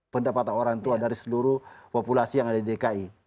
pendapatan orang tua dari seluruh populasi yang ada di dki